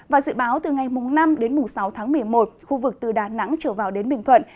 và dự báo từ ngày năm đến sáu tháng một mươi một khu vực từ đà nẵng trở vào đến bình thuận